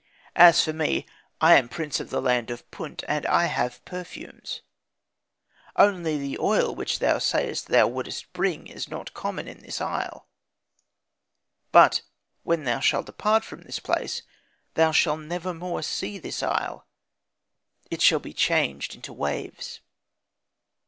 As for me I am prince of the land of Punt, and I have perfumes. Only the oil which thou sayedst thou wouldest bring is not common in this isle. But, when thou shalt depart from this place, thou shalt never more see this isle; it shall be changed into waves.'